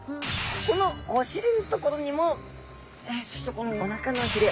ここのお尻の所にもそしてこのおなかのヒレ